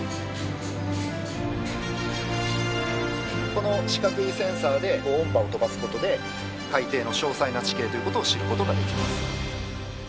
この四角いセンサーで音波を飛ばすことで海底の詳細な地形ということを知ることができます。